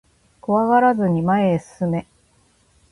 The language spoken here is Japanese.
怖がらずに前へ進め